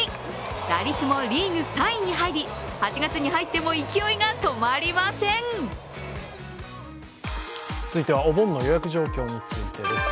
打率もリーグ３位に入り、８月に入っても勢いが止まりません続いては、お盆の予約状況についてです。